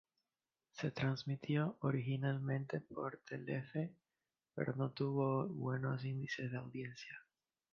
Se transmitió originalmente por Telefe pero no tuvo buenos índices de audiencia.